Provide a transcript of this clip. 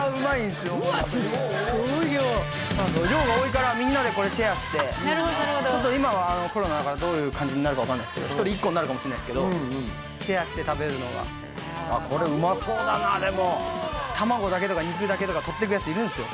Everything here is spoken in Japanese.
すっごい量そう量が多いからみんなでこれシェアして今はコロナだからどういう感じになるか分かんないすけど１人１個になるかもしれないですけどシェアして食べるのがこれうまそうだなでも卵だけとか肉だけとか取っていくやついるんすよ